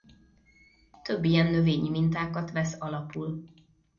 Több ilyen növényi mintákat vesz alapul.